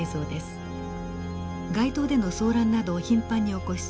街頭での騒乱などを頻繁に起こし